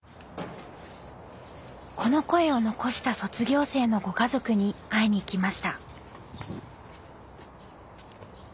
この声を残した卒業生のご家族に会いに行きました。